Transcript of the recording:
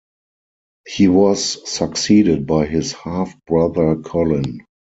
He was succeeded by his half-brother Colin.